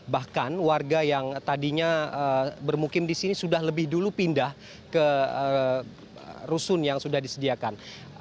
bahkan warga yang tadinya bermukim di sini sudah lebih dulu pindah ke rusun yang sudah disediakan